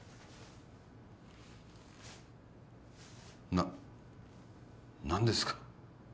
な何ですか？